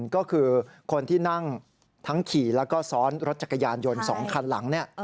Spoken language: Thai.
ก็คือคนที่นั่งทั้งขี่แล้วก็ซ้อนรถจักรยานยนต์๒คันหลัง